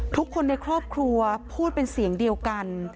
ทุกคนในครอบครัวพูดเป็นเสียงเดียวกัน